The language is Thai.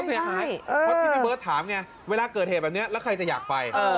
เพราะที่พี่เบิร์ตถามไงเวลาเกิดเหตุแบบนี้แล้วใครจะอยากไป